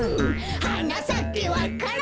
「はなさけわか蘭」